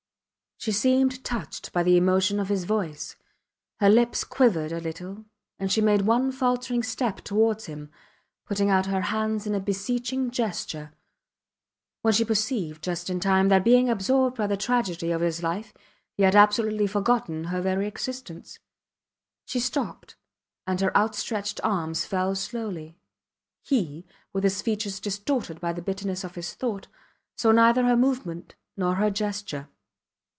She seemed touched by the emotion of his voice. Her lips quivered a little, and she made one faltering step towards him, putting out her hands in a beseeching gesture, when she perceived, just in time, that being absorbed by the tragedy of his life he had absolutely forgotten her very existence. She stopped, and her outstretched arms fell slowly. He, with his features distorted by the bitterness of his thought, saw neither her movement nor her gesture.